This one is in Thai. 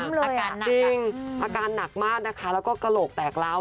อาการหนักจริงอาการหนักมากนะคะแล้วก็กระโหลกแตกร้าว